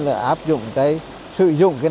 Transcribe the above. là áp dụng cái sử dụng cái năng lượng mặt trời